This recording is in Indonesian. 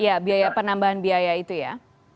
ya biaya penambahan biaya itu ya